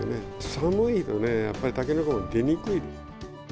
寒いとね、やっぱりタケノコも出にくい。